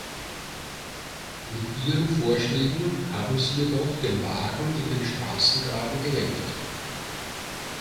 Mit Ihren Vorschlägen haben Sie jedoch den Wagen in den Straßengraben gelenkt.